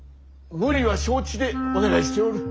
無理は承知でお願いしておる。